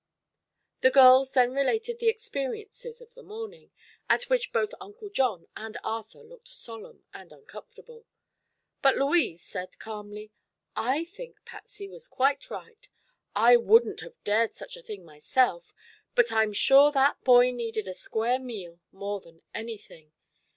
The girls then related the experiences of the morning, at which both Uncle John and Arthur looked solemn and uncomfortable. But Louise said calmly: "I think Patsy was quite right. I wouldn't have dared such a thing myself, but I'm sure that boy needed a square meal more than anything.